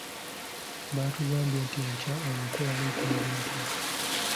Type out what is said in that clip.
Batugambye nti enkya omuko aleeta ebintu.